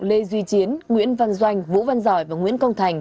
lê duy chiến nguyễn văn doanh vũ văn giỏi và nguyễn công thành